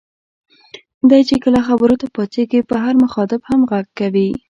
دی چې کله خبرو ته پاڅېږي په هر مخاطب هم غږ کوي.